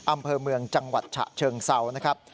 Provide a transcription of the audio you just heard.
อำเภอเมืองจังหวัดฉะเชิงเซานะครับ